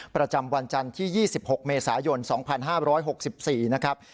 ประจำวันจันทร์ที่๒๖เมษายน๒๕๖๔นะครับ